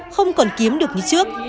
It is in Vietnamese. không còn kiếm được như trước